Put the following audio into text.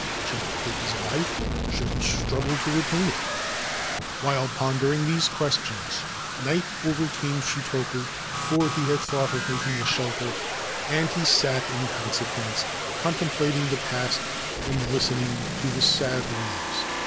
Should he take his life, or should he struggle retain it ? While pondering these questions night ercame Shutoku before he had thought of making shelter, and he sat, in consequence, contemplating the st and listening to the sad waves.